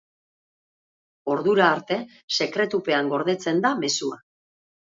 Ordura arte sekretupean gordetzen da mezua.